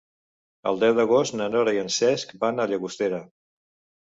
El deu d'agost na Nora i en Cesc van a Llagostera.